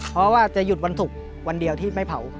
เพราะว่าจะหยุดวันศุกร์วันเดียวที่ไม่เผา